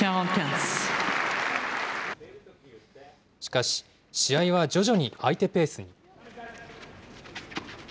しかし、試合は徐々に相手ペースに。